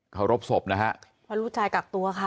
เคารพศพนะฮะ